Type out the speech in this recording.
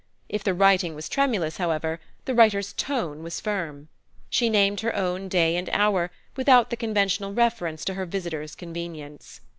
If the writing was tremulous, however, the writer's tone was firm. She named her own day and hour, without the conventional reference to her visitor's convenience.